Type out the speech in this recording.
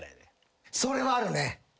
それはあるね。